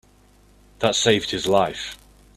That saved his life.